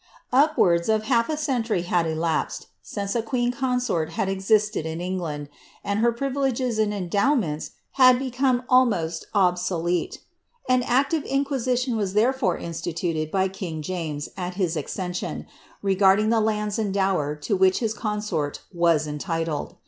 Upwards of half a century had elapsed since a queen*consort had existed in England, and her privileges and endowments had become almost obsolete. An active inquisition was therefore instituted by king James, at his accession, regarding the lands and dower to which his consort was entitled.